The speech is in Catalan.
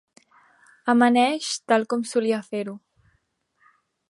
Amaneix tal com solia fer-ho.